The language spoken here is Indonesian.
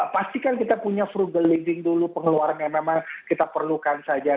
pastikan kita punya frugal living dulu pengeluaran yang memang kita perlukan saja